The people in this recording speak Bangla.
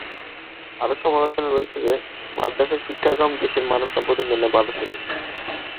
আরো সমালোচনা রয়েছে যে, মাদরাসার শিক্ষাক্রম দেশের মানব সম্পদ উন্নয়নে বাধা স্বরূপ।